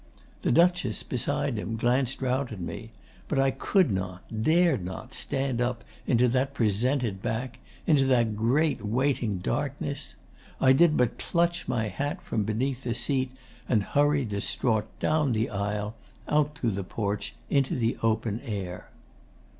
The Duchess, beside him, glanced round at me. But I could not, dared not, stand up into that presented back, into that great waiting darkness. I did but clutch my hat from beneath the seat and hurry distraught down the aisle, out through the porch, into the open air.